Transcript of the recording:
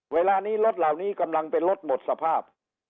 เวลานี้รถเหล่านี้กำลังเป็นรถหมดสภาพ